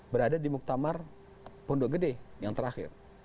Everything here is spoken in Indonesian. berada di muktamar pondok gede yang terakhir